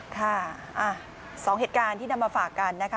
ค่ะ๒เหตุการณ์ที่นำมาฝากกันนะคะ